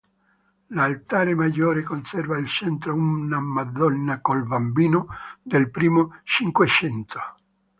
L'altare maggiore conserva al centro una "Madonna col Bambino" del primo Cinquecento.